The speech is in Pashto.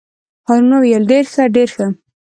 هارون وویل: ډېر ښه ډېر ښه.